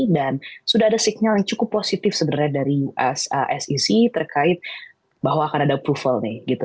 dan sudah ada signal yang cukup positif sebenarnya dari us sec terkait bahwa akan ada approval nih gitu